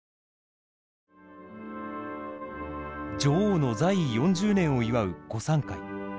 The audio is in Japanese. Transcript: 女王の在位４０年を祝う午餐会。